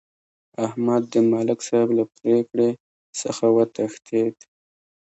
احمد د ملک صاحب له پرېکړې څخه وتښتېدا.